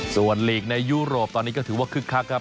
ส่วนลีกในยุโรปตอนนี้ก็ถือว่าคึกคักครับ